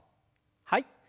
はい。